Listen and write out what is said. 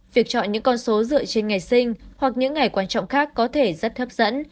việc chọn những con số dựa trên ngày sinh hoặc những ngày quan trọng khác có thể rất hấp dẫn